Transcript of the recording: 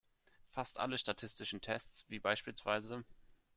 Fast alle statistischen Tests, wie bspw.